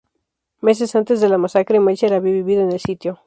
Meses antes de la masacre, Melcher había vivido en el sitio.